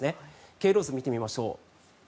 経路図を見てみましょう。